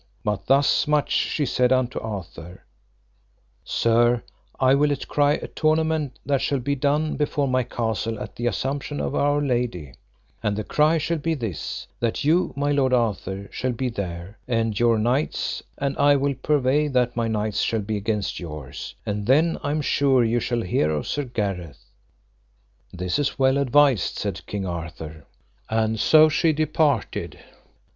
But thus much she said unto Arthur: Sir, I will let cry a tournament that shall be done before my castle at the Assumption of our Lady, and the cry shall be this: that you, my lord Arthur, shall be there, and your knights, and I will purvey that my knights shall be against yours; and then I am sure ye shall hear of Sir Gareth. This is well advised, said King Arthur; and so she departed.